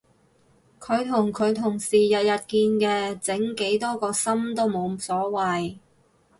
佢同佢同事日日見嘅整幾多個心都冇所謂